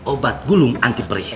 obat gulung anti perih